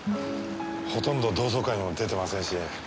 ほとんど同窓会にも出てませんし。